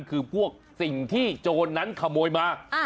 คือพวกสิ่งที่โจรนั้นขโมยมา